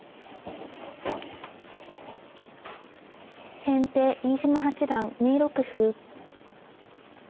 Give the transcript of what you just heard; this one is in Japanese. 先手飯島八段２六歩。